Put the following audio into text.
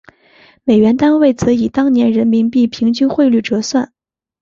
美元单位则以当年人民币平均汇率折算。